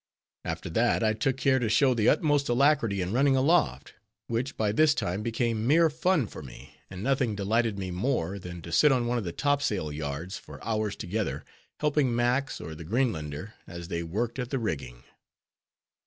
After that, I took care to show the utmost alacrity in running aloft, which by this time became mere fun for me; and nothing delighted me more than to sit on one of the topsail yards, for hours together, helping Max or the Greenlander as they worked at the rigging.